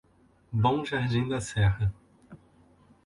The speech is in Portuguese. Bom Jardim da Serra